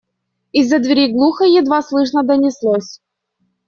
И из-за двери глухо, едва слышно донеслось: